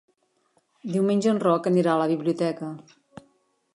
Diumenge en Roc anirà a la biblioteca.